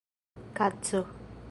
kaco